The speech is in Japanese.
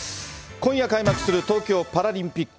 今夜開幕する東京パラリンピック。